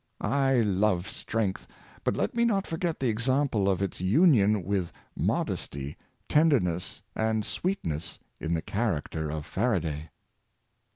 I love strength, but let me not forget the example of its union with mod esty, tenderness, and sweetness, in the character of Faraday."